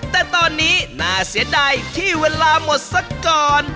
แต่ตอนนี้น่าเสียดายที่เวลาหมดสักก่อน